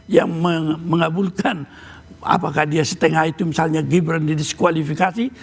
yang mengabulkan apakah dia setengah itu misalnya gibran didiskualifikasi